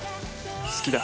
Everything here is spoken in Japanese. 「好きだ」